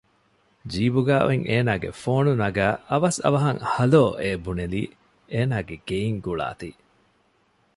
ޖީބުގައި އޮތް އޭނާގެ ފޯނު ނަގައި އަވަސް އަވަހަށް ހަލޯއޭ ބުނެލީ އޭނާގެ ގެއިން ގުޅާތީ